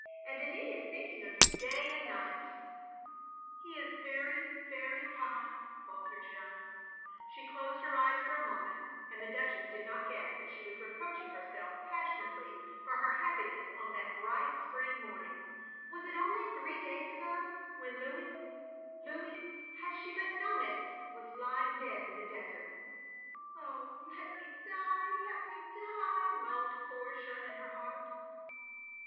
And Denis is think ing of you day and night. " OF GROSVENOR SQUARE 311 " He is very, very kind, " faltered Jeanne. She closed her eyes for a moment, and thd Duchess did not guess that she was reproaching herself passionately for her happiness on that bright spring morning — ^was it only three days ago — when Louis — Louis, had she but known it, was l3ring dead in the desert. "Oh, let me die, oh, let me die, moandd poor Jeanne, in her heart.